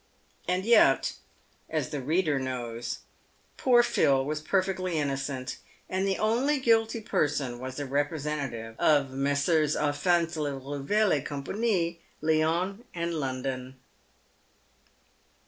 And yet, as the reader knows, poor Phil was perfectly innocent, and the only guilty person was the representative of Messrs. Al phonse Lerouville et C ie , Lyon3 and London.